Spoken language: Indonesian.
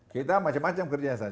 kita macam macam kerjasama